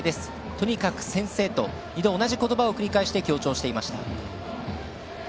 とにかく先制と二度、同じ言葉を繰り返して強調していました。